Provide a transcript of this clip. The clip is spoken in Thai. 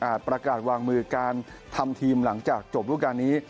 ประกาศวางมือการทำทีมหลังจากจบรูปการณ์นี้